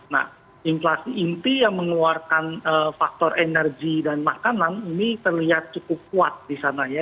nah inflasi inti yang mengeluarkan faktor energi dan makanan ini terlihat cukup kuat di sana ya